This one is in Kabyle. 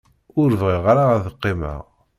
Ur bɣiɣ ara ad qqimeɣ.